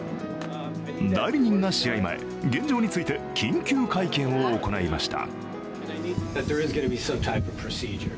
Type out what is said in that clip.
代理人が試合前、現状について緊急会見を行いました。